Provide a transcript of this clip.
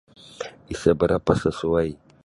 Isa barapa' sasuai .